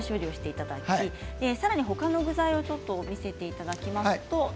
さらにほかの具材も見せていただきます。